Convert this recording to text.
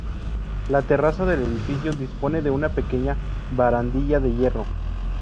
La terraza del edificio dispone de una pequeña barandilla de hierro.